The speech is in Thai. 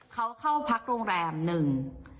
เขาเข้าพักโรงแรมหนึ่ง